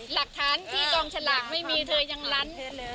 หลักฐานที่กองฉลากไม่มีเธอยังลั้น